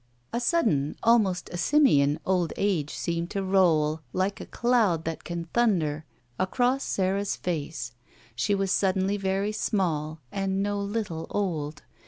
A sudden, almost a simian old age seemed to roll, like a cloud that can thtmder, across Sara's face. She was suddenly very small and no little old.